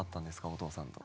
お父さんと。